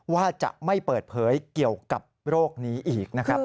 ว่าจะไม่เปิดเผยเกี่ยวกับโรคนี้อีกนะครับ